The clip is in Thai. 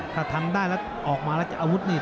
ถ้าทำได้แล้วออกมาแล้วจะอาวุธนี่